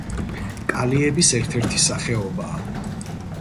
კალიების ერთ-ერთი სახეობაა.